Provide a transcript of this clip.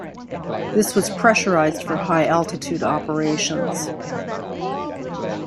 This was pressurised for high-altitude operations.